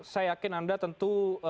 saya yakin anda tentu